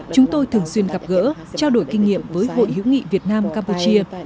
chúng tôi thường xuyên gặp gỡ trao đổi kinh nghiệm với hội hữu nghị việt nam campuchia